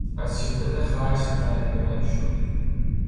از شدت خشم رنگ بهرنگ شد.